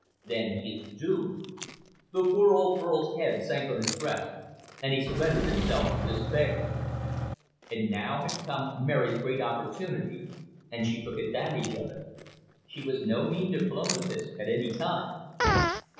"Then he is doomed." The poor old Earl's head sank on his breast, and he surrendered himself to despair. And now had come Mary's great opportunity, and she took advantage of it. She was no mean diplomatist at any time.